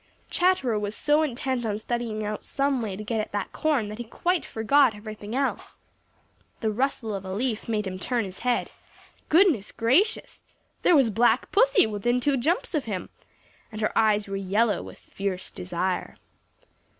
Chatterer was so intent on studying out some way to get at that corn that he quite forgot everything else. The rustle of a leaf made him turn his head. Goodness gracious! there was Black Pussy within two jumps of him, and her eyes were yellow with fierce desire.